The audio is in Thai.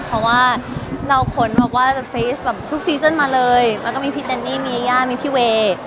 เพราะว่าเราขนฟาสทุกซีซ่อนมาเลยแล้วก็มีพี่เจนนี่มียาย่ามีพี่เวย์